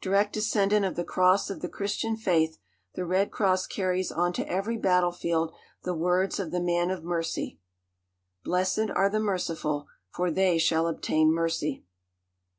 Direct descendant of the cross of the Christian faith, the Red Cross carries onto every battlefield the words of the Man of Mercy: "Blessed are the merciful, for they shall obtain mercy."